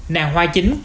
nàng hoa chính